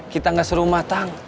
kita gak seru matang